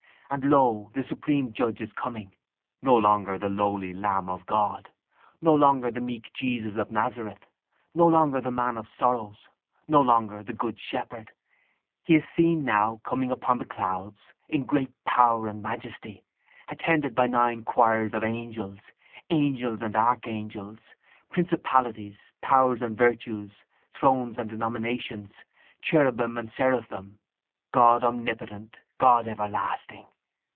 And lo, the supreme judge is coming! No longer the lowly Lamb of God, no longer the meek Jesus of Nazareth, no longer the Man of Sorrows, no longer the Good Shepherd, He is seen now coming upon the clouds, in great power and majesty, attended by nine choirs of angels, angels and archangels, principalities, powers and virtues, thrones and dominations, cherubim and seraphim, God Omnipotent, God Everlasting.